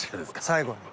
最後に。